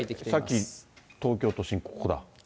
さっき、東京都心、ここだ。